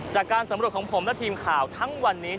จากการสำรวจของผมและทีมข่าวท้อนี้ค่อยไปท่านเลย